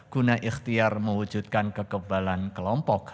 guna ikhtiar mewujudkan kekebalan kelompok